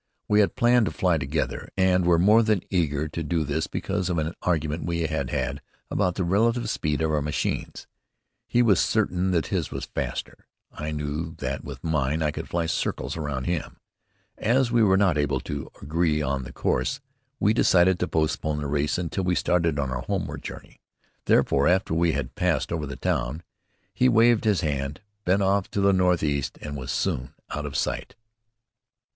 We had planned to fly together, and were the more eager to do this because of an argument we had had about the relative speed of our machines. He was certain that his was the faster. I knew that, with mine, I could fly circles around him. As we were not able to agree on the course, we decided to postpone the race until we started on the homeward journey. Therefore, after we had passed over the town, he waved his hand, bent off to the northeast, and was soon out of sight.